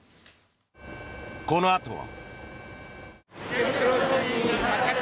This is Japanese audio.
このあとは。